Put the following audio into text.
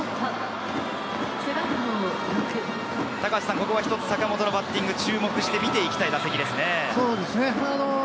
ここはひとつ、坂本のバッティング、注目して見ていきたい打席ですね。